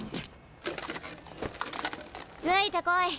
ついてこい！